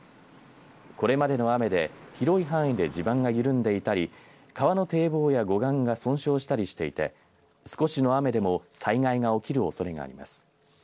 これまでの雨で広い範囲で地盤が緩んでいたり川の堤防や護岸が損傷したりしていて少しの雨でも災害が起きるおそれがあります。